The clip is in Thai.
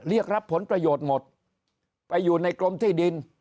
เรียกรับผลประโยชน์หมดไปอยู่ในกรมที่ดิน